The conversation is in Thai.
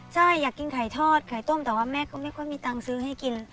ใช่อยากกินไข่ทอดไข่ต้มแต่ว่าแม่ก็ไม่ค่อยมีตังค์ซื้อให้กิน